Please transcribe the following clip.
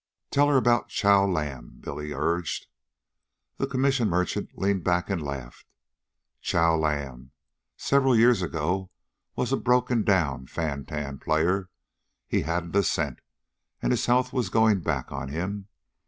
"Tell her about Chow Lam," Billy urged. The commission merchant leaned back and laughed. "Chow Lam, several years ago, was a broken down fan tan player. He hadn't a cent, and his health was going back on him.